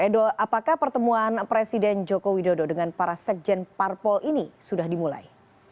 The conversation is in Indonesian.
edo apakah pertemuan presiden joko widodo dengan para sekjen parpol ini sudah dimulai